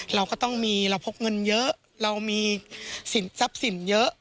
เราก็ต้องมีเราพกเงินเยอะเรามีสินทรัพย์สินเยอะ